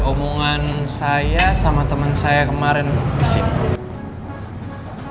omongan saya sama temen saya kemarin disini